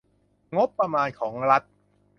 งบประมาณของรัฐ